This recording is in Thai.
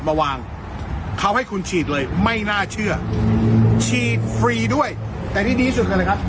มาวางเขาให้คุณฉีดเลยไม่น่าเชื่อฉีดฟรีด้วยแต่ที่ดีที่สุดกันเลยครับ